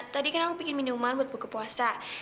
tadi kan aku bikin minuman buat buka puasa